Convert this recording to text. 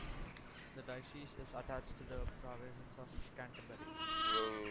The diocese is attached to the Province of Canterbury.